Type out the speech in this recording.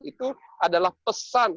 itu adalah pesan